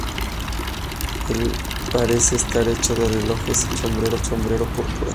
Él parece estar hecho de relojes y lleva un sombrero púrpura.